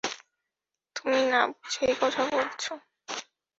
তুমি না বুঝেই কথা বলছো।